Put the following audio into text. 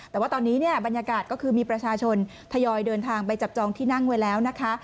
แต่ว่าตอนนี้เนี่ยบรรยากาศก็คือมีประชาชนทยอยเดินทางไปจับจองที่นั่งไว้แล้วนะคะ